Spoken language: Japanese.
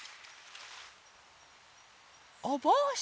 おぼうし！